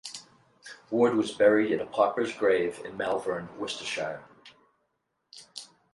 Ward was buried in a pauper's grave in Malvern, Worcestershire.